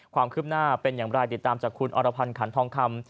ความคืบหน้าเป็นอย่างไรติดตามจากคุณอรพันธ์ขันทองคำ